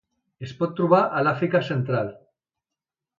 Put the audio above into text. Es pot trobar a l'Àfrica central.